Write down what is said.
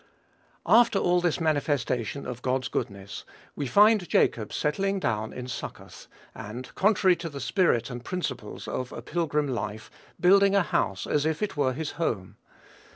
After all this manifestation of God's goodness, we find Jacob settling down in Succoth, and, contrary to the spirit and principles of a pilgrim life, building a house as if it were his home.